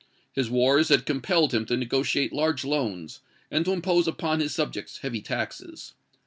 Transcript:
His wars had compelled him to negotiate large loans, and to impose upon his subjects heavy taxes.